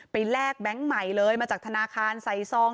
แลกแบงค์ใหม่เลยมาจากธนาคารใส่ซอง